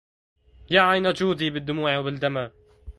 يا عين جودي بالدموع وبالدما